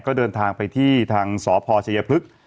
ก็เดินทางไปที่ทางหน้าศอภโชเยพฤกษ์